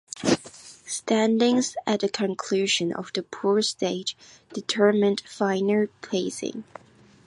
Standings at the conclusion of the pool stage determined final placings.